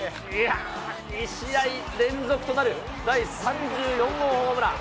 ２試合連続となる第３４号ホームラン。